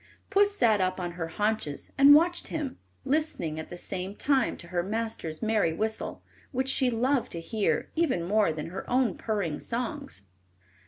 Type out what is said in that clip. Puss sat up on her haunches and watched him, listening at the same time to her master's merry whistle, which she loved to hear even more than her own purring songs.